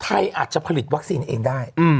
อาจจะผลิตวัคซีนเองได้